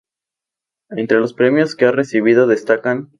Entre los premios que ha recibido destacan